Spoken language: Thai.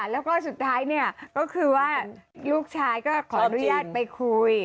แล้วก็สุดท้ายเนี่ยก็คือว่าลูกชายก็ขออนุญาตไปคุย